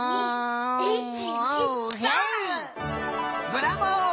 ブラボー！